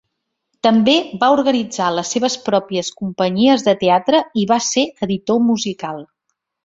També va organitzar les seves pròpies companyies de teatre i va ser editor musical.